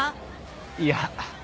いや。